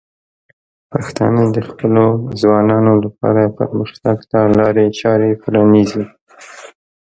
پښتانه د خپلو ځوانانو لپاره پرمختګ ته لارې چارې پرانیزي.